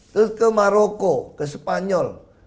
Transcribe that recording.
terus ke maroko ke spanyol